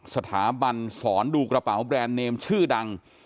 สถาบันสอนดูกระเป๋าแบรนด์เนมชื่อดัง